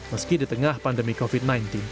meski di tengah pandemi covid sembilan belas